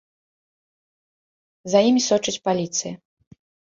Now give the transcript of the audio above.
За імі сочыць паліцыя.